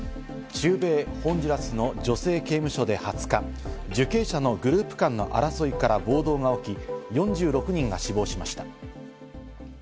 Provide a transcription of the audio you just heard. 中米ホンジュラスの女性刑務所で２０日、受刑者のグループ間の争いから暴動が起き、４６人が死亡しました。